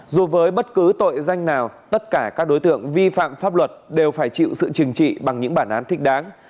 dù với bất cứ tội danh nào tất cả các đối tượng vi phạm pháp luật đều phải chịu sự trừng trị bằng những bản án thích đáng